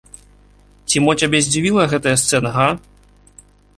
Ці мо цябе здзівіла гэтая сцэна, га?